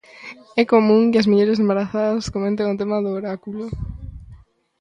É común que as mulleres embarazadas comenten o tema do oráculo.